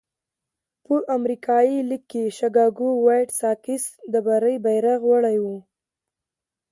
په امریکایي لېګ کې شکاګو وایټ ساکس د بري بیرغ وړی وو.